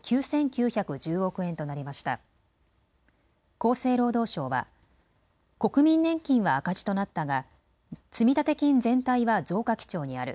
厚生労働省は国民年金は赤字となったが積立金全体は増加基調にある。